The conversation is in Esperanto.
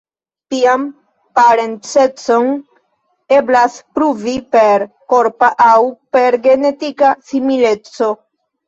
Tian parencecon eblas pruvi per korpa aŭ per genetika simileco.